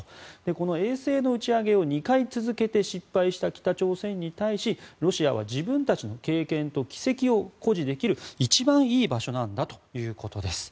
この衛星の打ち上げを２回続けて失敗した北朝鮮に対しロシアは自分たちの経験と軌跡を誇示できる一番いい場所なんだということです。